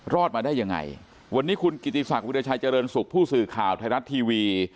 รอดมาได้ยังไงวันนี้คุณกิติศักดิราชัยเจริญสุขผู้สื่อข่าวไทยรัฐทีวี